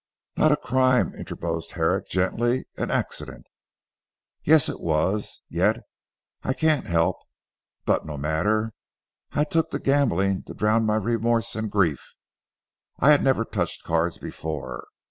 "Not a crime," interposed Herrick gently "an accident." "Yes! It was. Yet I can't help but no matter. I took to gambling to drown my remorse and grief. I had never touched cards before.